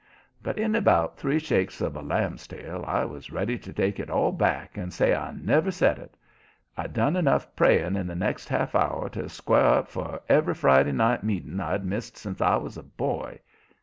But in about three shakes of a lamb's tail I was ready to take it all back and say I never said it. I done enough praying in the next half hour to square up for every Friday night meeting I'd missed sence I was a boy.